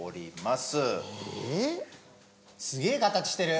すげえ形してるよ